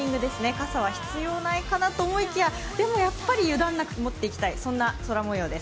傘は必要ないかなと思いきや、でもやっぱり油断なく持っていきたい、そんな空模様です。